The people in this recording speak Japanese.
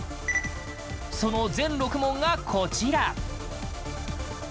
その全６問がこちら！